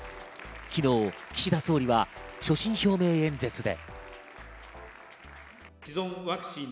昨日、岸田総理は所信表明演説で。